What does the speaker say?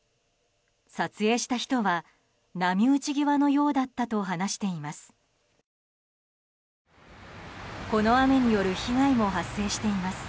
撮影した人は波打ち際のようだったと話しています。